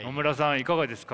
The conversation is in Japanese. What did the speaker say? いかがですか？